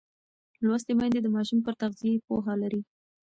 لوستې میندې د ماشوم پر تغذیه پوهه لري.